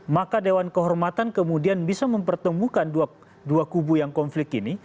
maka dewan kehormatan kemudian bisa mempertemukan dua kubu yang konflik ini